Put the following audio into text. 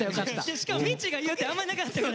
しかもみっちーが言うってあんまなかったからな。